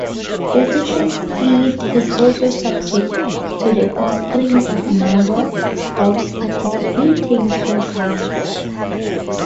The system's speed is also subject to the constraint of number of participating proxies.